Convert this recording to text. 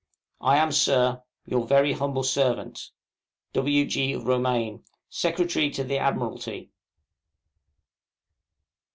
I am, Sir, Your very humble servant, W. G. ROMAINE, Secretary to the Admiralty.